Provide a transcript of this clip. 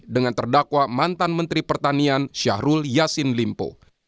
dengan terdakwa mantan menteri pertanian syahrul yassin limpo